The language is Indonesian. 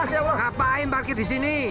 hei apa yang pakai di sini